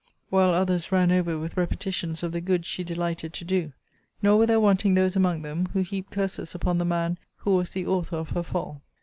While others ran over with repetitions of the good she delighted to do. Nor were there wanting those among them, who heaped curses upon the man who was the author of her fall.